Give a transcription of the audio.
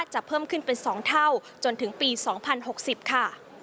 เพิ่มขึ้นเป็น๒เท่าจนถึงปี๒๐๖๐ค่ะ